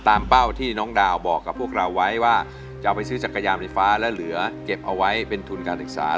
เป้าที่น้องดาวบอกกับพวกเราไว้ว่าจะเอาไปซื้อจักรยานไฟฟ้าและเหลือเก็บเอาไว้เป็นทุนการศึกษา